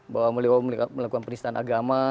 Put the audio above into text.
bahwa meliwo melakukan penisahan agama